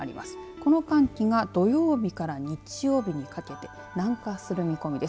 この寒気が土曜日から日曜日にかけて南下する見込みです。